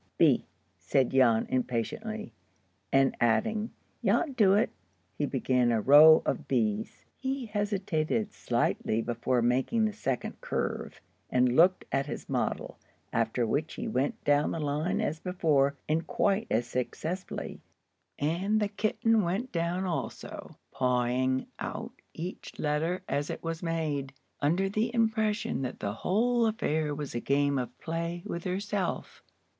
"B," said Jan, impatiently; and adding, "Jan do it," he began a row of B's. He hesitated slightly before making the second curve, and looked at his model, after which he went down the line as before, and quite as successfully. And the kitten went down also, pawing out each letter as it was made, under the impression that the whole affair was a game of play with herself.